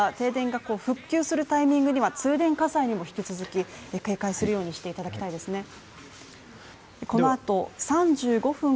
停電が復旧するタイミングには通電火災にも引き続き警戒するようにしていただきたいですね。